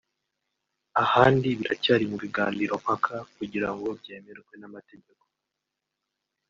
ahandi biracyari mu biganiro mpaka kugira ngo byemerwe n’amategeko